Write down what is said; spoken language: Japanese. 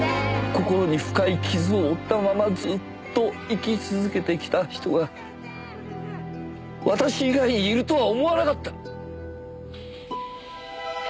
心に深い傷を負ったままずっと生き続けてきた人が私以外にいるとは思わなかった。